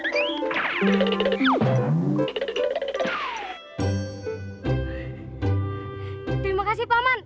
terima kasih pak man